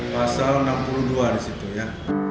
pasal seribu sembilan ratus enam puluh dua di situ ya